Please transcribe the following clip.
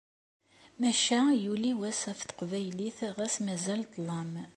Maca yuli wass ɣef teqbaylit ɣas mazal ṭṭlam.